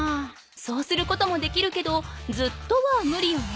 そうすることもできるけどずっとはむりよね。